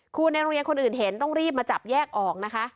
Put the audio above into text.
ครูในโรงเรียนคนอื่นเห็นต้องรีบมาจับแยกออกนะคะ